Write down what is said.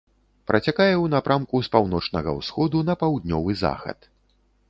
Працякае ў напрамку з паўночнага ўсходу на паўднёвы захад.